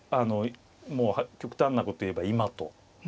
もう極端なこと言えば今と。